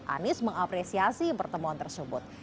anis mengapresiasi pertemuan tersebut